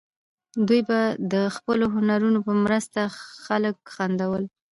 دوی به د خپلو هنرونو په مرسته خلک خندول.